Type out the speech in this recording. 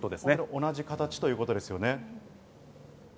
同じ形ということですね。